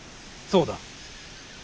そうだ。